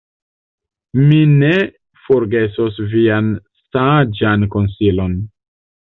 Mi ne forgesos vian saĝan konsilon.